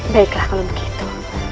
baiklah kalau begitu